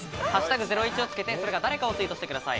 「＃ゼロイチ」をつけて、それが誰かをツイートしてください。